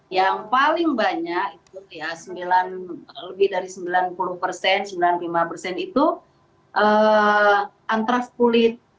yang paling banyak itu ya lebih dari sembilan puluh persen sembilan puluh lima persen itu antras kulit